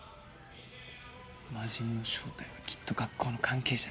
魔人の正体はきっと学校の関係者だ。